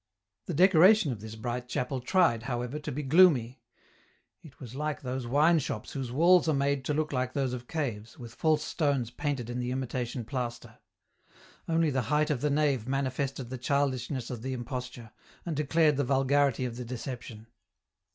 The decoration of this bright chapel tried, however, to be gloomy ; it was like those wine shops whose walls are made to look like those of caves, with false stones painted in the imitation plaster. Only the height of the nave manifested the childishness of the imposture, and declared the vulgarity of the deception.